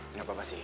nggak apa apa sih